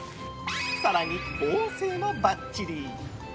更に、保温性もばっちり！